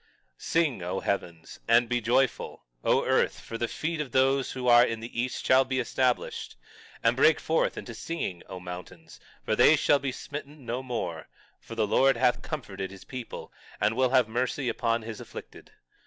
21:13 Sing, O heavens; and be joyful, O earth; for the feet of those who are in the east shall be established; and break forth into singing, O mountains; for they shall be smitten no more; for the Lord hath comforted his people, and will have mercy upon his afflicted.